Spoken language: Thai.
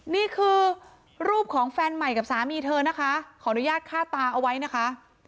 นี่คือรูปของแฟนใหม่กับสามีเธอนะคะขออนุญาตฆ่าตาเอาไว้นะคะ